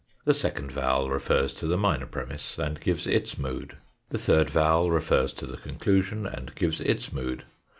The second vowel refers to the minor premiss, and gives its mood. The third vowel refers to the conclusion, and gives its mood.